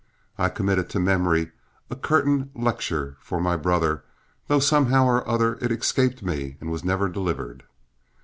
I committed to memory a curtain lecture for my brother, though somehow or other it escaped me and was never delivered.